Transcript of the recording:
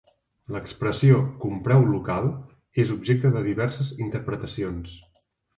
L'expressió "compreu local" és objecte de diverses interpretacions.